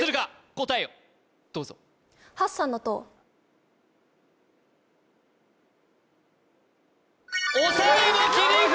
答えをどうぞ抑えの切り札